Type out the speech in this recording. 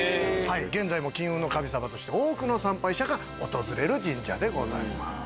現在も金運の神様として多くの参拝者が訪れる神社でございます。